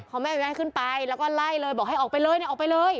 พอแม่อนุญาตให้ขึ้นไปแล้วก็ไล่เลยบอกให้ออกไปเลยเนี่ยออกไปเลย